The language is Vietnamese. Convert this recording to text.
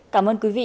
cảm ơn quý vị